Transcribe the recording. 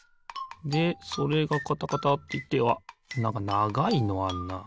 でそれがカタカタっていってわっなんかながいのあんな。